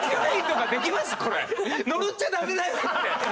「呪っちゃダメだよ」って。